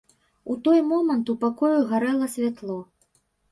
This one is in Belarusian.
У той момант у пакоі гарэла святло.